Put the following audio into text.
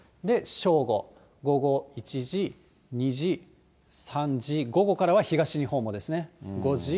正午、午後１時、２時、３時、午後からは東日本もですね。